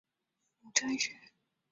母詹氏。